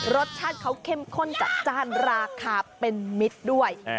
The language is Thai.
รสชาติเขาเข้มข้นจัดจ้านราคาเป็นมิตรด้วย